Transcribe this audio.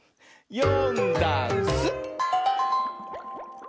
「よんだんす」